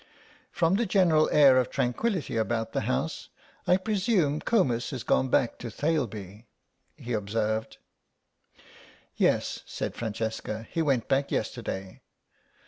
"From the general air of tranquillity about the house I presume Comus has gone back to Thaleby," he observed. "Yes," said Francesca, "he went back yesterday.